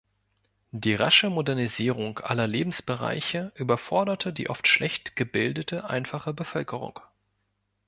Die rasche Modernisierung aller Lebensbereiche überforderte die oft schlecht gebildete einfache Bevölkerung.